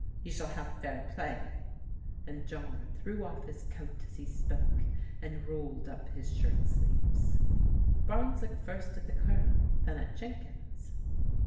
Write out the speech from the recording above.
You shall have fair play," and John threw oflF his coat as he spoke and rolled up his shirt sleeves. Barnes looked first at the Colonel then at Jenkins.